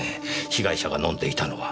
被害者が飲んでいたのは。